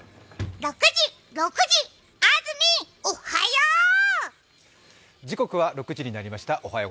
６時、６時、安住おはよう！